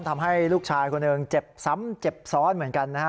ทำให้ลูกชายคนหนึ่งเจ็บซ้ำเจ็บซ้อนเหมือนกันนะฮะ